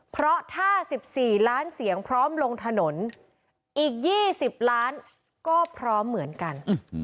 เพราะถ้า๑๔ล้านเสียงพร้อมลงถนนอีก๒๐ล้านก็พร้อมเหมือนกัน